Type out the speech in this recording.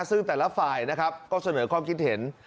ซึ่งแต่ละฝ่ายนะครับก็เสนอความคิดเห็น